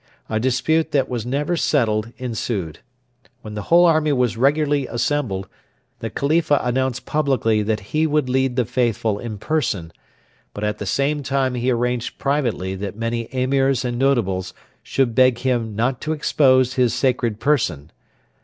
A dispute that was never settled ensued. When the whole army was regularly assembled, the Khalifa announced publicly that he would lead the faithful in person; but at the same time he arranged privately that many Emirs and notables should beg him not to expose his sacred person.